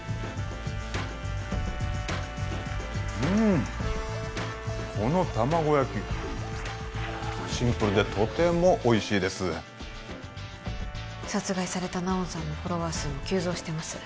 うーんこの卵焼きシンプルでとてもおいしいです殺害されたナオンさんのフォロワー数も急増してます